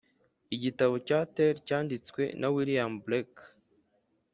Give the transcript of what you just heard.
"igitabo cya thel" cyanditswe na william blake